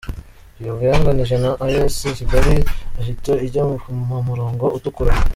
Kiyovu yanganije na Ayesi Kigali ihita ijya mu murongo utukura .